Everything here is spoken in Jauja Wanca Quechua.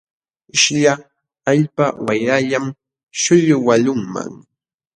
Śhllqa allpa wayrallam śhullwaqlunman.